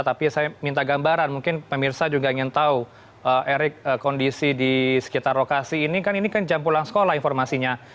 tapi saya minta gambaran mungkin pemirsa juga ingin tahu erik kondisi di sekitar lokasi ini kan ini kan jam pulang sekolah informasinya